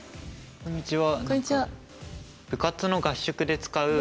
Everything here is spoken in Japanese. こんにちは。